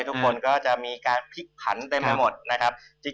ตลาดโดยเมิกาจะที่กดดันจริง